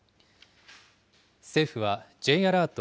政府は、Ｊアラート